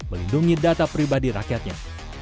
melindungi data pribadi rakyatnya